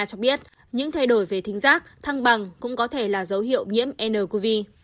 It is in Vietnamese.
cho biết những thay đổi về thính giác thăng bằng cũng có thể là dấu hiệu nhiễm ncov